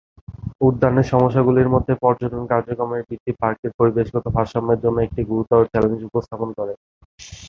উদ্যানের সমস্যাগুলির মধ্যে পর্যটন কার্যক্রমের বৃদ্ধি পার্কের পরিবেশগত ভারসাম্যের জন্য একটি গুরুতর চ্যালেঞ্জ উপস্থাপন করে।